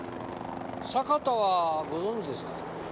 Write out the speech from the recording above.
坂田はご存じですか？